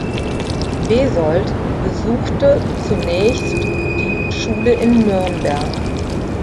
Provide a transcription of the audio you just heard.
Besold besuchte zunächst die Schule in Nürnberg.